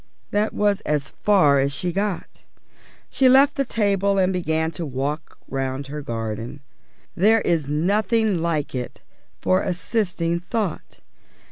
_ This was as far as she had got. She left the table and began to walk round her garden. There is nothing like it for assisting thought.